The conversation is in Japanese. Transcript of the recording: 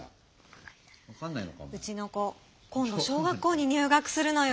うちの子今度小学校に入学するのよ。